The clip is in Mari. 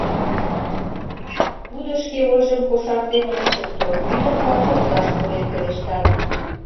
Тудо шке ойжым кошартен ок шукто, ӱдыр-влак коклаш пурен пелештат: